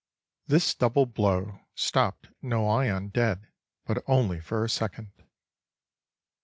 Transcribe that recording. This double blow stopped Noyon dead, but only for a second.